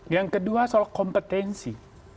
yang kedua soal kompetensi